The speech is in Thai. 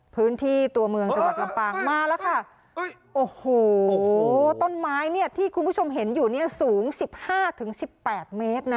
พื้นที่ตัวเมืองจังหวัดลำปางมาแล้วค่ะโอ้โหต้นไม้เนี่ยที่คุณผู้ชมเห็นอยู่เนี่ยสูงสิบห้าถึงสิบแปดเมตรนะ